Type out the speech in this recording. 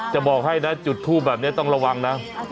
จะบอกให้นะจุดทูปแบบนี้ต้องระวังนะ